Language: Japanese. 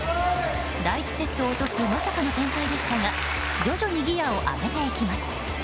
第１セットを落とすまさかの展開でしたが徐々にギアを上げていきます。